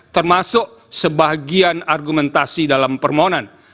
termasuk sebagian argumentasi dalam permohonan